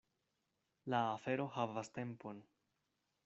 La afero havas tempon.